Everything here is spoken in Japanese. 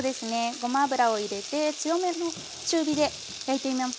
ごま油を入れて強めの中火で焼いています。